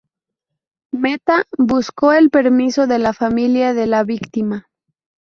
Mehta buscó el permiso de la familia de la víctima.